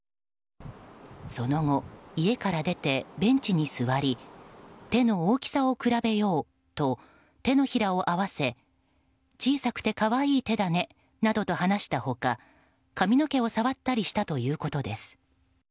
その後、家から出てベンチに座り手の大きさを比べようと手のひらを合わせ小さくて可愛い手だねなどと話した他髪の毛を触ったりしたということです。